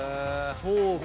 そうか。